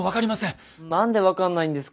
何で分かんないんですか？